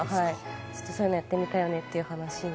ちょっとそういうのやってみたいよねっていう話を。